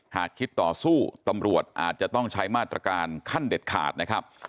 หากคิดต่อสู้ตำรวจอาจจะต้องใช้มาตรการขั้นเด็ดขาดนะครับ